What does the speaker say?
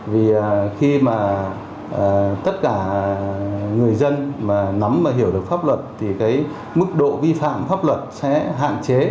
vì khi mà tất cả người dân mà nắm và hiểu được pháp luật thì cái mức độ vi phạm pháp luật sẽ hạn chế